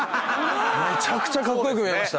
めちゃくちゃカッコ良く見えました。